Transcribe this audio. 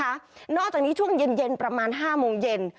เราก็จะเงียนเย็นประมาณ๕โมงเย็น